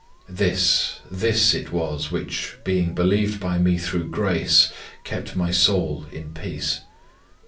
This, this it was which, being believed by me through grace, kept my soul in peace.